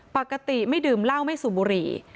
ปกติไม่ดื่มเหล้าไม่สูบบุหรี่